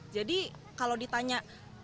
jadi kalau ditanya